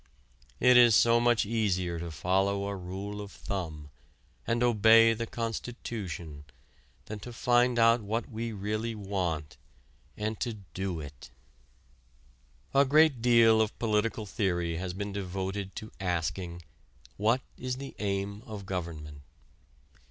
It is so much easier to follow a rule of thumb, and obey the constitution, than to find out what we really want and to do it. A great deal of political theory has been devoted to asking: what is the aim of government?